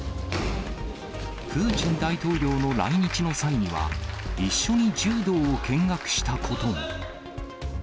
プーチン大統領の来日の際には、一緒に柔道を見学したことも。